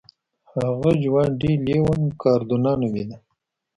هغه جوان ډي لیون کاردونا نومېده.